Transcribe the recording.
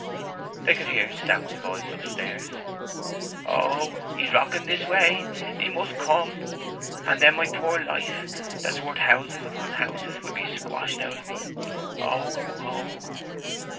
They could hear South's voice up stairs "Oh, he's rocking this way; he must come! And then my poor life, that's worth houses upon houses, will be squashed out o' me. Oh! oh!"